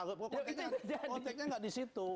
pokoknya konteksnya nggak di situ